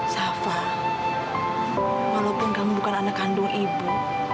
safa walaupun kamu bukan anak kandung ibu